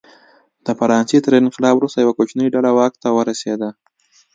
د فرانسې تر انقلاب وروسته یوه کوچنۍ ډله واک ته ورسېده.